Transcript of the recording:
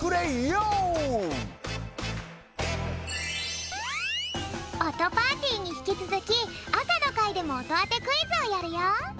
オトパーティーにひきつづきあさのかいでもおとあてクイズをやるよ。